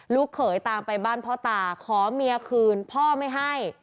เขยตามไปบ้านพ่อตาขอเมียคืนพ่อไม่ให้